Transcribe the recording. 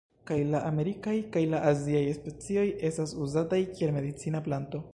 Kaj la amerikaj kaj la aziaj specioj estas uzataj kiel medicina planto.